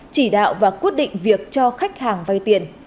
chỉ đạo và quyết định việc cho khách hàng vay tiền